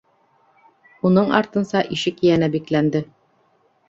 Уның артынса ишек йәнә бикләнде.